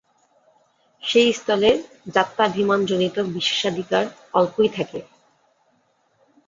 সে স্থলে জাত্যভিমানজনিত বিশেষাধিকার অল্পই থাকে।